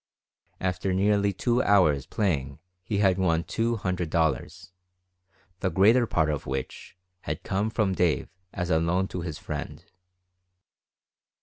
After nearly two hours playing he had won two hundred dollars, the greater part of which had come from Dave as a loan to his friend.